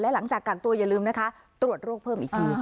หลังจากกักตัวอย่าลืมนะคะตรวจโรคเพิ่มอีกที